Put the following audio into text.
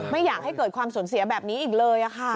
ไม่อยากให้เกิดความสูญเสียแบบนี้อีกเลยค่ะ